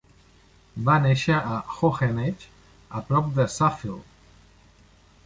Va néixer a Hoheneiche, a prop de Saalfeld.